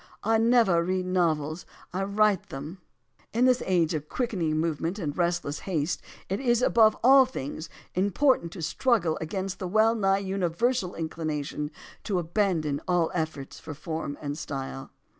I nevah read novels; I write them." In this age of quickening movement and restless haste, it is, above all things, important to struggle AS TO ANTHOLOGIES 245 against the well nigh universal inclination to abandon all efforts for form and style.